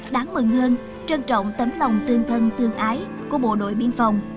đáng mừng hơn trân trọng tấm lòng tương thân tương ái của bộ đội biên phòng